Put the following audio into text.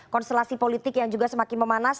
konstelasi politik yang juga semakin memanas